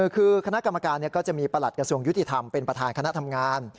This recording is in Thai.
คือคณะกรรมการก็จะมีประหลัดกระทรวงยุติธรรมเป็นประธานคณะทำงาน